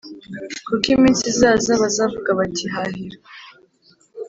kuko iminsi izaza bazavuga bati Hahirwa